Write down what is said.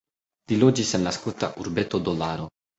Li loĝis en la skota urbeto Dolaro.